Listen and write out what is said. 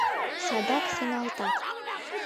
Садак сеҥалтат.